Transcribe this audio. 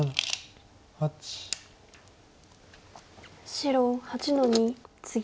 白８の二ツギ。